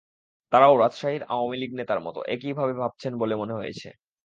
তারাও রাজশাহীর আওয়ামী লীগ নেতার মতো একইভাবে ভাবছেন বলে মনে হয়েছে।